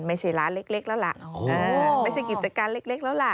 ไม่ใช่ร้านเล็กแล้วล่ะไม่ใช่กิจการเล็กแล้วล่ะ